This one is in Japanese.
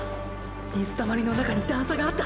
水たまりの中に段差があった！！